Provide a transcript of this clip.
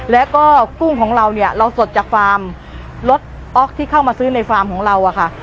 แล้วก็กุ้งของเราเนี่ยเราสดจากฟาร์มรถออกที่เข้ามาซื้อในฟาร์มของเราอะค่ะ